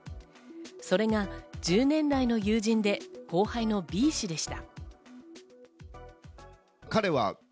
それが１０年来の友人で後輩のＢ氏でした。